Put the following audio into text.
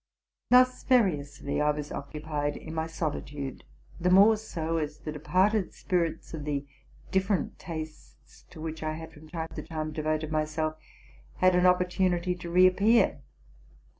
Thus variously was I occupied in my solitude ; the more so, as the departed spirits of the different tastes to which I had from time to time devoted myself had an opportunity to re appear.